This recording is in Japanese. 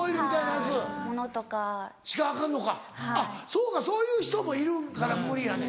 そうかそういう人もいるんから無理やねん。